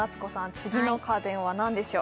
次の家電は何でしょう？